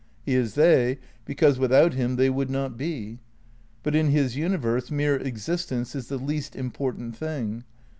He is they, because without him they would not be. But in his universe mere existence is the least impor tant thing.